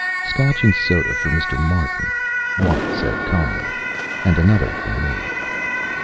"Scotch and soda for Mr. Martin," Watt said calmly. "And another for me."